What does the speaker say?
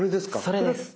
それです。